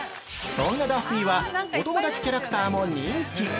◆そんなダッフィーは、お友達キャラクターも人気。